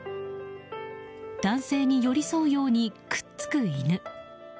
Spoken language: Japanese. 男性に寄り添うようにくっつく犬。